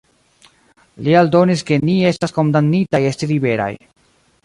Li aldonis ke “ni estas kondamnitaj esti liberaj”.